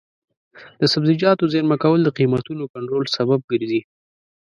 د سبزیجاتو زېرمه کول د قیمتونو کنټرول سبب ګرځي.